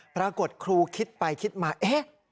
ปรากฏครูคิดไปคิดมาเอ๊ะ